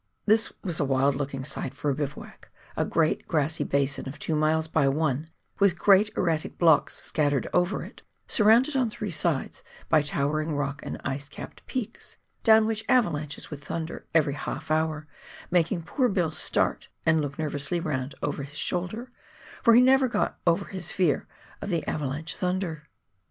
This was a wild looking site for a bivouac, a great grassy basin of two miles by one, witb great erratic blocks scattered over it, surrounded on three sides by towering rock and ice capped peaks, down which avalanches would thunder every half hour, making poor Bill start and look nervously round, over his shoulder — for he never got over his fear of the avalanche thunder.